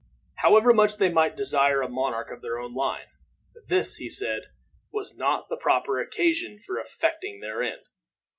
However much they might desire a monarch of their own line, this, he said, was not the proper occasion for effecting their end.